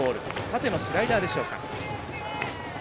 縦のスライダーでしょうか。